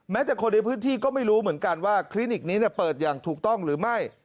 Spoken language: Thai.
จากคนในพื้นที่ก็ไม่รู้เหมือนกันว่าคลินิกนี้เปิดอย่างถูกต้องหรือไม่